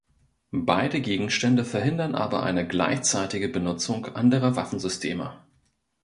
Beide Gegenstände verhindern aber eine gleichzeitige Benutzung anderer Waffensysteme.